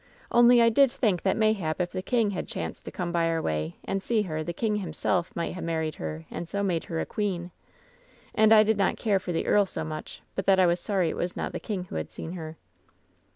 Only I did think that mayhap if the king had chanced to come by our way and see her the king himself might ha' married her and made her a queen. And I did not care for the earl so much but that I was sorry it was not the king who had seen her.